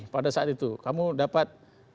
pada saat itu kamu dapat